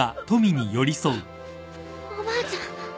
おばあちゃん？